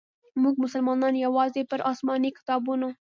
موږ مسلمانانو یوازي پر اسماني کتابونو.